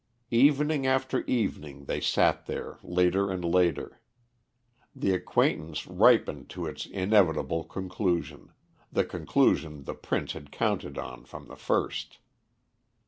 Evening after evening they sat there later and later. The acquaintance ripened to its inevitable conclusion the conclusion the Prince had counted on from the first.